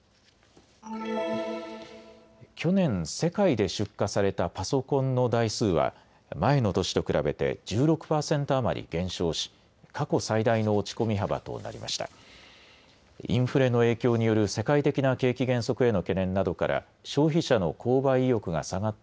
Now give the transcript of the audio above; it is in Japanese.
去年、世界で出荷されたパソコンの台数は前の年と比べて１６％余り減少し、過去最大の落ち込み幅となりました。